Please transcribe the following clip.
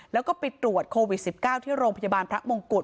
แล้วก็ไปตรวจโควิด๑๙ที่โรงพยาบาลพระมงกุฎ